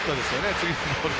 次のボールは。